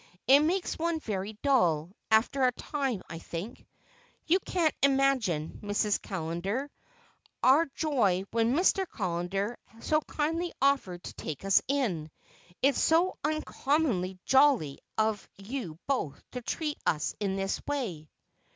"It makes one very dull, after a time, I think. You can't imagine, Mrs. Callender, our joy when Mr. Callender so kindly offered to take us in. It's so uncommonly jolly of you both to treat us in this way."